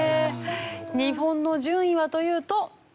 日本の順位はというと。